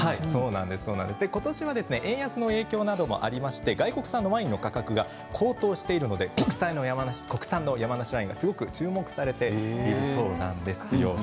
今年は円安の影響などもありまして開発３倍の価格が高騰しているので国産の山梨ワインがすごく注目されているんです。